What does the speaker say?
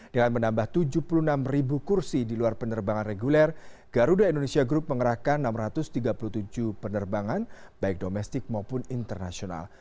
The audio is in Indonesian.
dengan menambah tujuh puluh enam kursi di luar penerbangan reguler garuda indonesia group mengerahkan enam ratus tiga puluh tujuh penerbangan baik domestik maupun internasional